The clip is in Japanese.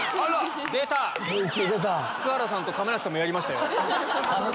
福原さんと亀梨さんもやりました。